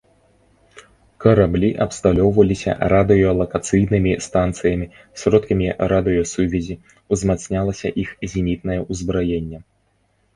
Караблі абсталёўваліся радыёлакацыйнымі станцыямі, сродкамі радыёсувязі, узмацнялася іх зенітнае ўзбраенне.